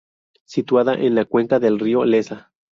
Situada en la cuenca del río Leza.